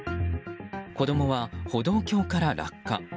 子供は歩道橋から落下。